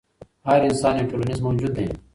هر انسان یو ټولنیز موجود دی.